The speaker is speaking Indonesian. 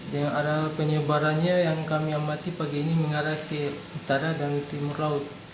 dengan arah penyebarannya yang kami amati pagi ini mengarah ke utara dan timur laut